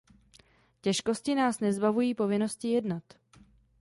Těžkosti nás nezbavují povinnosti jednat.